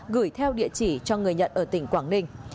gửi theo địa chỉ cho người nhận ở tỉnh quảng ninh